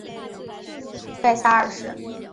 盖萨二世。